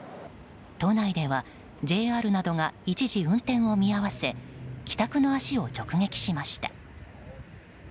都内では、ＪＲなどが一時運転を見合わせ帰宅の足を直撃しました。